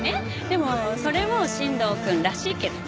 でもそれも新藤くんらしいけどね。